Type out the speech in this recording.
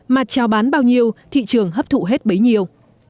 mà trao bán bao nhiêu thị trường hấp thụ hết bấy nhiêu